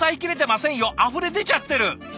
あふれ出ちゃってる！